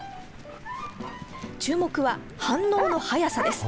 注目は反応の速さです。